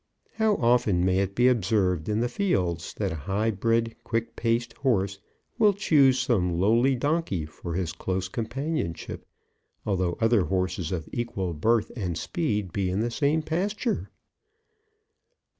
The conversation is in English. How often may it be observed in the fields that a high bred, quick paced horse will choose some lowly donkey for his close companionship, although other horses of equal birth and speed be in the same pasture!